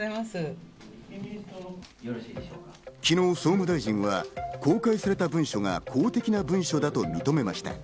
昨日、総務大臣は公開された文書が公的な文書だと認めました。